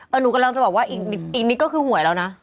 หนูกำลังจะบอกว่าอีกนิดก็คือหวยแล้วนะ